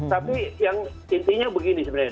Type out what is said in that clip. tapi yang intinya begini sebenarnya